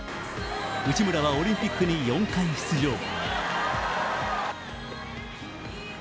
内村はオリンピックに４回出場。